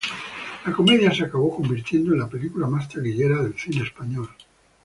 La comedia se acabó convirtiendo en la película más taquillera del cine español.